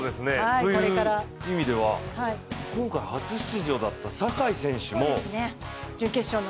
という意味では、今回初出場だった坂井選手も。